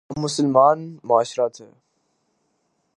ہم مسلمان معاشرہ تھے۔